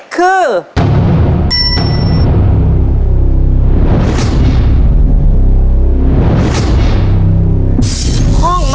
ครับ